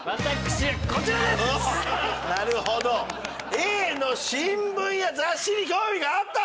Ａの「新聞や雑誌に興味があった」。